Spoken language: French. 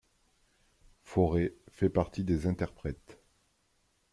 Fauré fait partie des interprètes.